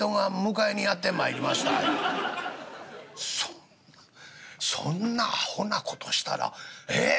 「そんなそんなアホな事したらえっ